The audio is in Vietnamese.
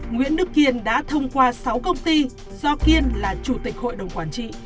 nguyễn đức kiên đã thông qua sáu công ty do kiên là chủ tịch hội đồng quản trị